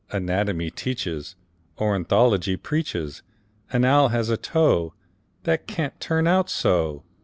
Anatomy teaches, Ornithology preaches An owl has a toe That can't turn out so!